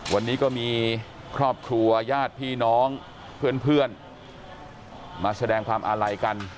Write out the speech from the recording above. วันนี้ก็มีครอบครัวญาติพี่น้องเพื่อนมาแสดงความอาลัยกัน